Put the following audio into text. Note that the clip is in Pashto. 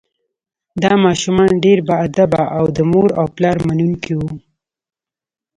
دا ماشومان ډیر باادبه او د مور او پلار منونکي وو